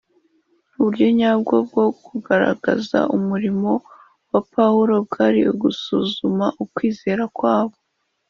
Uburyo nyabwo bwo kugaragaza umurimo wa Pawulo bwari ugusuzuma ukwizera kwabo